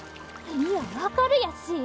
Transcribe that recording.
いや分かるやっし。